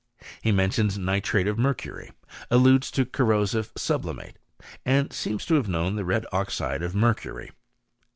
He mentions nitrate of mercury, alludes to corrosive sublimate, and seems to have known the red oxide of mercury.